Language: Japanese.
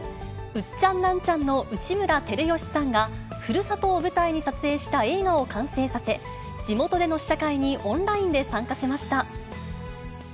ウッチャンナンチャンの内村光良さんが、ふるさとを舞台に撮影した映画を完成させ、地元での試写会にオンラインで参加しました。